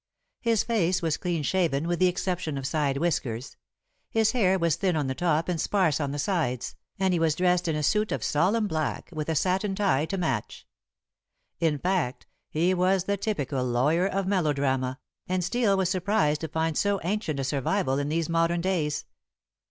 His face was clean shaven with the exception of side whiskers; his hair was thin on the top and sparse on the sides, and he was dressed in a suit of solemn black, with a satin tie to match. In fact, he was the typical lawyer of melodrama, and Steel was surprised to find so ancient a survival in these modern days.